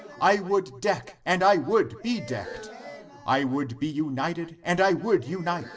I would deck, and I would be decked. Amen. I would be united, and I would unite.